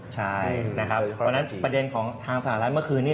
ใช่ประเด็นของทางสหรัฐเมื่อคืนนี้